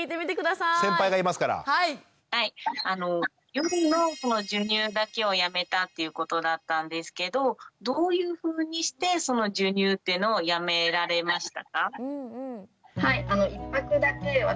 夜の授乳だけをやめたっていうことだったんですけどどういうふうにしてその授乳っていうのをやめられましたか？